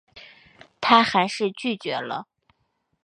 她还是拒绝了